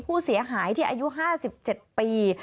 ผู้เสียหายที่อายุ๕๗ปี